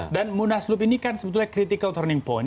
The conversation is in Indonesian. dan munaslup ini kan sebetulnya critical turning point